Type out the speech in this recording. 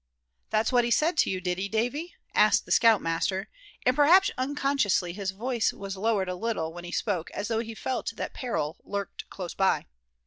"That's what he said to you, did he, Davy?" asked the scout master; and perhaps unconsciously his voice was lowered a little when he spoke, as though he felt that peril lurked close by.